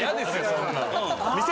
そんなん。